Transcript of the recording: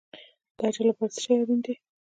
د اجر لپاره څه شی اړین دی؟